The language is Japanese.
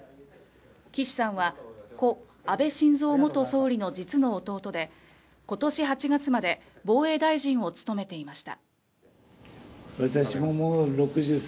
岸さんは故安倍晋三元総理の実の弟で今年８月まで防衛大臣を務めていました。